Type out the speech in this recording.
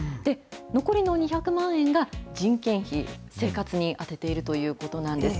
残りの２００万円が人件費、生活に充てているということなんです。